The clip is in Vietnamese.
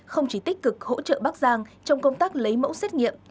không chỉ tích cực hỗ trợ bắc giang trong công tác lấy mẫu xét nghiệm